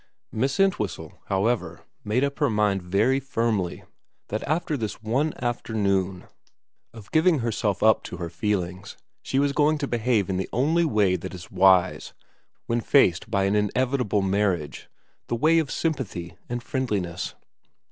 Miss ENTWHISTLE, however, made up her mind very firmly that after this one afternoon of giving herself up to her feelings she was going to behave in the only way that is wise when faced by an inevitable marriage, the way of sympathy and friendliness.